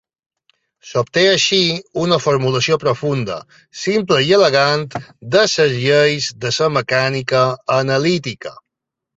S'obté així una formulació profunda, simple i elegant de les lleis de la mecànica analítica.